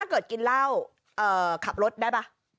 ถ้าเกิดกินเหล้าขับรถได้ป่ะ